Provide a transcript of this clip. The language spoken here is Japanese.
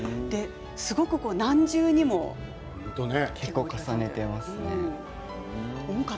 すごく何重にも。重ねています。